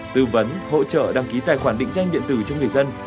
tư vấn hỗ trợ đăng ký tài khoản định danh điện tử cho người dân